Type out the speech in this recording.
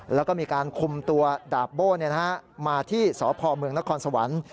แล้วก็มีการคุมตัวดาบโบ้มาที่สพเมืองนครสวรรค์